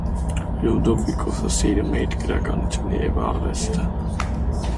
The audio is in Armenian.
Լյուդովիկոսը սիրում էր գրականությունը և արվեստը։